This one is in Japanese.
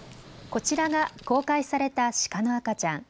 こちらが公開されたシカの赤ちゃん。